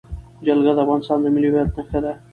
جلګه د افغانستان د ملي هویت نښه ده.